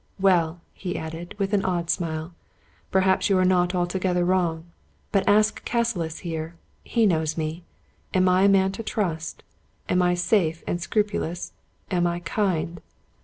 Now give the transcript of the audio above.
Well," he added, with an odd smile, "perhaps you are not altogether wrong. But ask Cassilis here. He knows me. Am I a man to trust? Am I safe and scrupulous ? Am I kind